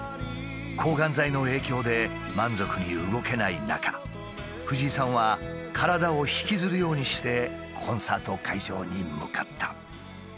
抗がん剤の影響で満足に動けない中藤井さんは体を引きずるようにしてコンサート会場に向かった。